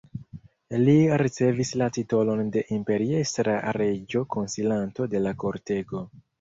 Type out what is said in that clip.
Li ricevis la titolon de imperiestra-reĝa konsilanto de la kortego.